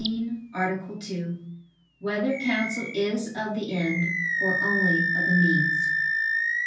14, Art. 2] Whether Counsel Is of the End, or Only of the Means?